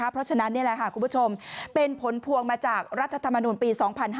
เพราะฉะนั้นนี่แหละค่ะคุณผู้ชมเป็นผลพวงมาจากรัฐธรรมนูลปี๒๕๕๙